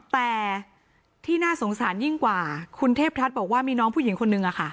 แต่ที่น่าสงสารยิ่งกว่าคุณเทพรัฐบอกว่ามีน้องผู้หญิงคนนึง